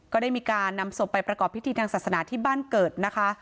ก็ได้มีการนำศพไปประกอบพิธีทางศาสนาที่บ้านเกิดนะคะ